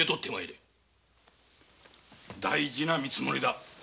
大事な見積もりだ。